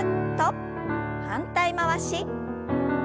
反対回し。